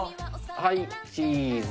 はい、チーズ。